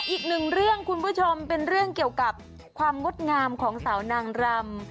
อีกหนึ่งเรื่องคุณผู้ชมเป็นเรื่องเกี่ยวกับความงดงามของสาวนางรำ